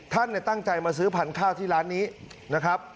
ท่านตั้งใจมาซื้อพันธุ์ข้าวที่ร้านนี้นะครับ